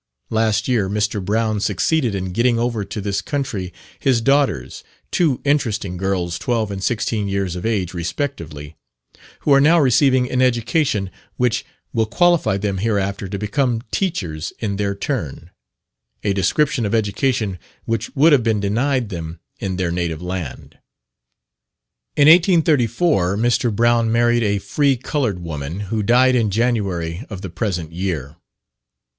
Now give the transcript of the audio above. Last year Mr. Brown succeeded in getting over to this country his daughters, two interesting girls twelve and sixteen years of age respectively, who are now receiving an education which will qualify them hereafter to become teachers in their turn a description of education which would have been denied them in their native land. In 1834 Mr. Brown married a free coloured woman, who died in January of the present year.